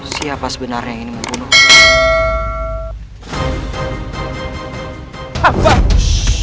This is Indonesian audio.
siapa sebenarnya yang ini membunuhku